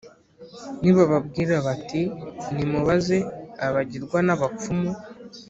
Nibababwira bati «Nimubaze abagirwa n’abapfumu,